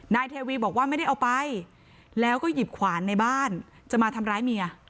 นายเทวีบอกว่าไม่ได้เอาไปแล้วก็หยิบขวานในบ้านจะมาทำร้ายเมีย